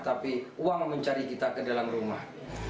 tapi uang mencari kita ke dalam rumah